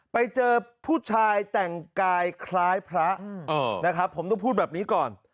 ไปเจอผู้ชายแต่งกายคล้ายพระนะครับผมต้องพูดแบบนี้ก่อน